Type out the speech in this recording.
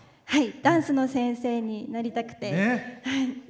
ダンスの先生になりたくて。